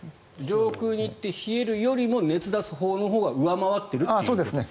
上空に行って冷えるよりも熱を出すほうが上回っているということですか。